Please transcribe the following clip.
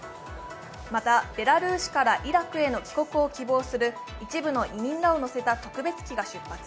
またベラルーシからイラクへの帰国を希望する一部の移民らを乗せた特別機が出発。